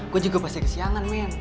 gue juga pasti kesiangan men